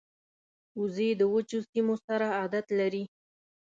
وزې د وچو سیمو سره عادت لري